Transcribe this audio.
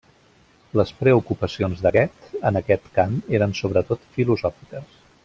Les preocupacions de Goethe en aquest camp eren sobretot filosòfiques.